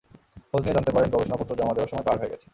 খোঁজ নিয়ে জানতে পারেন, গবেষণাপত্র জমা দেওয়ার সময় পার হয়ে গেছে।